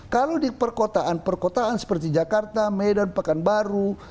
kalau di perkotaan perkotaan seperti jakarta medan pekanbaru